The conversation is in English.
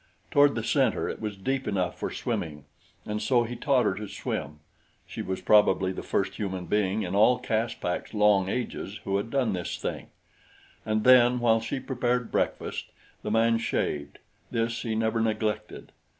Toward the center it was deep enough for swimming, and so he taught her to swim she was probably the first human being in all Caspak's long ages who had done this thing. And then while she prepared breakfast, the man shaved this he never neglected.